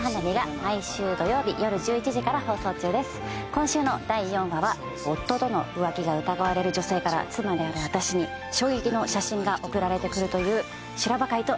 今週の第４話は夫との浮気が疑われる女性から妻である私に衝撃の写真が送られてくるという修羅場回となっております。